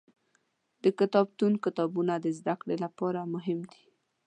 د کتابتون کتابونه د زده کړې لپاره مهم دي.